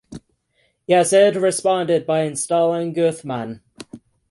Yazid responded by installing Uthman.